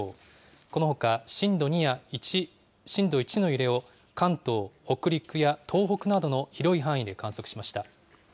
このほか震度２や１、震度１の揺れを関東、北陸や東北などの広い範囲で観測しました。